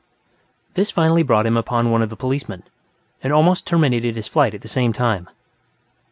This finally brought him upon one of the policemen, and almost terminated his flight at the same time.